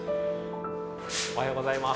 おはようございます。